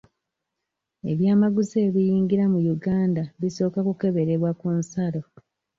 Ebyamaguzi ebiyingira mu Uganda bisooka kukeberebwa ku nsalo.